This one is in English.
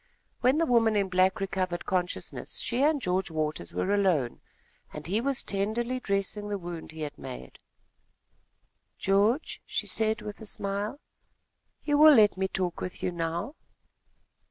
When the woman in black recovered consciousness, she and George Waters were alone, and he was tenderly dressing the wound he had made. "George," she said with a smile, "you will let me talk with you now?"